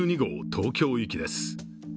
東京行きです。